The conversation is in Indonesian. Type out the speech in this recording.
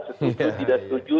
setuju tidak setuju